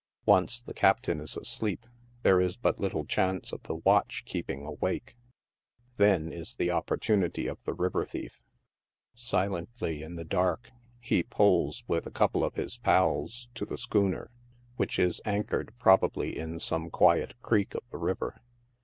Once the captain is asleep, there is but little chance of the watch keeping awake. Then is the opportunity of the river thief. Silently, in the dark, he pulls, with a couple of his " pals," to the schooner, which is anchored, probably, in some quiet creek of the river.